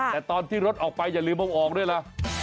แต่ตอนที่รถออกไปอย่าลืมเอาออกด้วยล่ะ